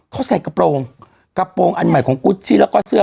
เขาใส่กระโปรงกระโปรงอันใหม่ของกูชี่แล้วก็เสื้อ